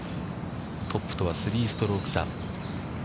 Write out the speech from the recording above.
トップとは３ストローク差。